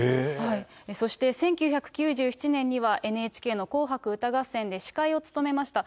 そして１９９７年には、ＮＨＫの紅白歌合戦で司会を務めました。